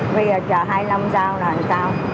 bây giờ chờ hai năm sau là sao